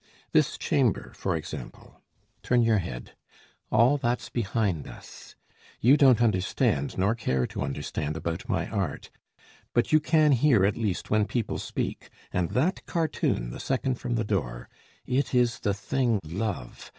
This chamber, for example turn your head All that's behind us! You don't understand Nor care to understand about my art, But you can hear at least when people speak: And that cartoon, the second from the door It is the thing, Love!